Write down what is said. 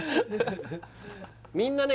みんなね